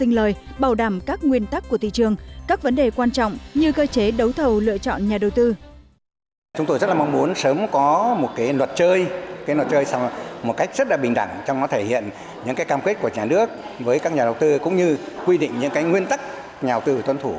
tinh lời bảo đảm các nguyên tắc của thị trường các vấn đề quan trọng như cơ chế đấu thầu lựa chọn nhà đầu tư